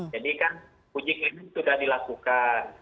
jadi kan uji klinis sudah dilakukan